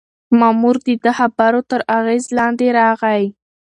مامور د ده د خبرو تر اغېز لاندې راغی.